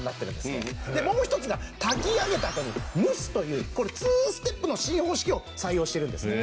もう一つが炊き上げたあとに蒸すというツーステップの新方式を採用してるんです。